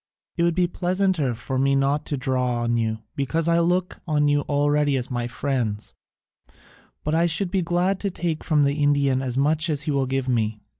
It would be pleasanter for me not to draw on you, because I look on you already as my friends, but I should be glad to take from the Indian as much as he will give me.